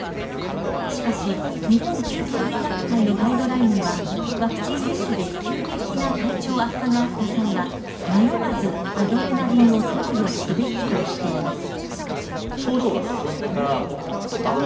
しかし日本救急医学会のガイドラインには、ワクチン接種で急激な体調悪化があった際は迷わずアドレナリンを投与すべきとしています。